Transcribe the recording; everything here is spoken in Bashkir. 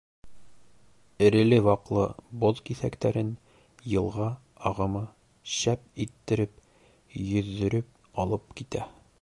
Эреле-ваҡлы боҙ киҫәктәрен йылға ағымы шәп иттереп йөҙҙөрөп алып китә.